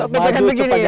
oh betul kan begini ya